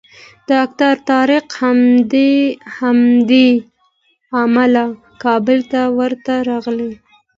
ډاکټر طارق همدې امله کابل ته ورته راغی.